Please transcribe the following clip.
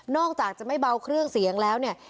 อกจากจะไม่เบาเครื่องเสียงแล้วเนี่ย